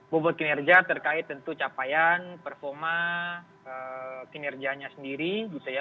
bobot kinerja terkait tentu capaian performa kinerjanya sendiri gitu ya